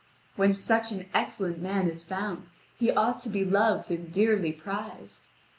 When such an excellent man is found he ought to be loved and dearly prized.